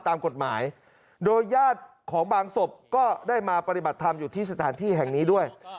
ตามกฎหมายโดยญาติของบางศพก็ได้มาปฏิบัติธรรมอยู่ที่สถานที่แห่งนี้ด้วย